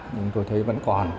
nhưng tôi thấy vẫn còn